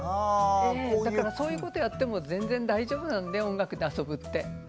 だからそういうことやっても全然大丈夫なので音楽で遊ぶって。